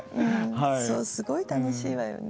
そうすごい楽しいわよね。